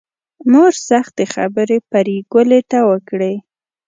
مور سختې خبرې پري ګلې ته وکړې